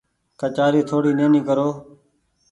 ڪچآري ٿوڙي نيني ڪرو۔